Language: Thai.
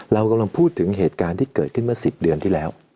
เรากำลังพูดถึงเหตุการณ์ที่เกิดขึ้นเมื่อ๑๐เดือนที่แล้ว